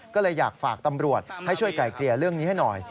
ก็เลยอยากฝากตำรวจให้ช่วยไกลเกลี่ยเรื่องนี้ให้หน่อย